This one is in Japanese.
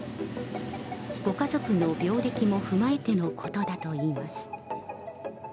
ご家族の病歴も踏まえてのことだといいます。